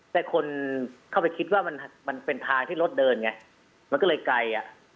แต่คนเข้าไปคิดว่ามันเป็นทางที่รถเดินไงมันก็เลยไกลอ่ะ